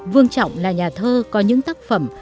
vương trọng là nhà thơ có những tác phẩm